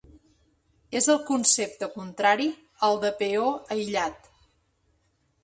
És el concepte contrari al de peó aïllat.